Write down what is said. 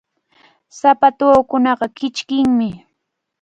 Sapatuukunaqa kichkimi.